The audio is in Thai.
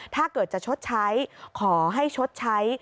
ถ้าเกิดจะชดใช้ขอให้ชดใช้